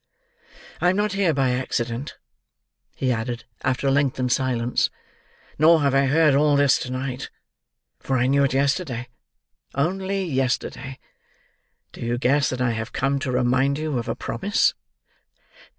"I am not here by accident," he added after a lengthened silence; "nor have I heard all this to night, for I knew it yesterday—only yesterday. Do you guess that I have come to remind you of a promise?"